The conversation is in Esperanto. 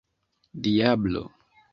diablo